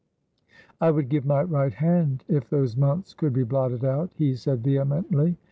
"I would give my right hand if those months could be blotted out," he said, vehemently.